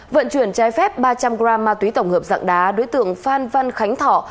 vận chuyển trái phép ba trăm linh g ma túy tổng hợp dạng đá đối tượng phan văn khánh thọ